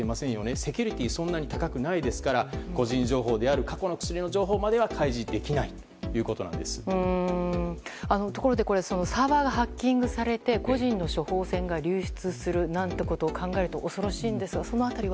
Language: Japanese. セキュリティーはそんなに高くないですから個人情報である過去の薬の情報まではところでサーバーがハッキングされて個人の処方箋が流出するなんてことを考えると恐ろしいんですがその辺りは？